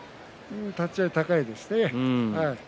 立ち合い、高いですね。